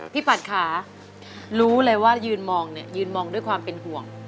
ปัดค่ะรู้เลยว่ายืนมองเนี่ยยืนมองด้วยความเป็นห่วง